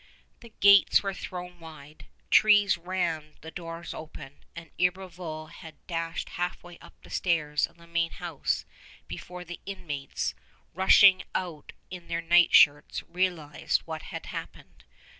The gates were thrown wide, trees rammed the doors open, and Iberville had dashed halfway up the stairs of the main house before the inmates, rushing out in their nightshirts, realized what had happened.